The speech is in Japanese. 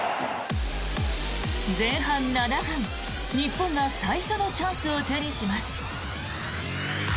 前半７分、日本が最初のチャンスを手にします。